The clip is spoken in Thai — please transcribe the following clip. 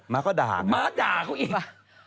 ม้าก็ด่าเขาอีก